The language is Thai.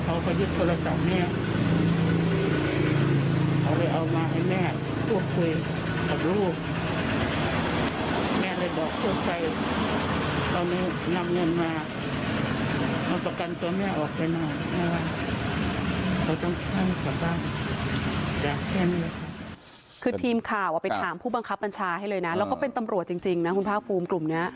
คือทีมข่าวไปถามผู้บังคับบัญชาให้เลยนะแล้วก็เป็นตำรวจจริงนะคุณภาคภูมิกลุ่มนี้